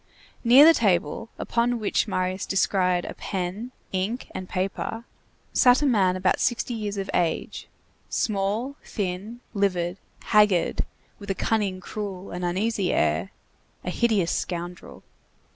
Near the table, upon which Marius descried a pen, ink, and paper, sat a man about sixty years of age, small, thin, livid, haggard, with a cunning, cruel, and uneasy air; a hideous scoundrel.